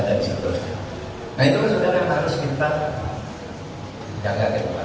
nah itu sebenarnya harus kita jaga jaga